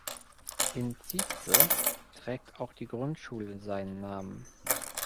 In Cize trägt auch die Grundschule seinen Namen.